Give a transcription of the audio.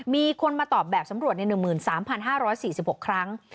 มีคนมาตอบแบบสำรวจใน๑๓๕๔๖ครั้ง